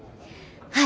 はい。